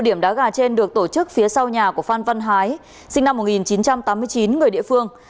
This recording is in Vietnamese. hai điểm đá gà trên được tổ chức phía sau nhà của phan văn hái sinh năm một nghìn chín trăm tám mươi chín người địa phương